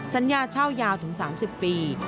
สัญญาเช่ายาวถึง๓๐ปี